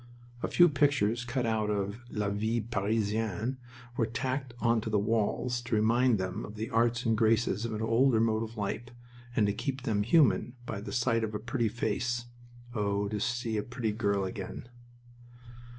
A few pictures cut out of La Vie Parisienne were tacked on to the walls to remind them of the arts and graces of an older mode of life, and to keep them human by the sight of a pretty face (oh, to see a pretty girl again!).